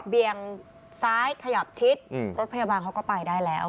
เบียงซ้ายขยับชิดรถพยาบาลเขาก็ไปได้แล้ว